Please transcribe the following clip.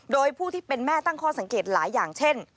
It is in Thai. โดยผู้ที่เป็นแม่ตั้งข้อสังเกตหลายอย่างเช่น